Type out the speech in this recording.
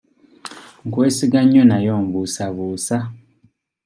Nkwesiga nnyo naye ombuusabuusa.